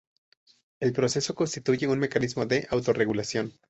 El proceso constituye un mecanismo de autorregulación.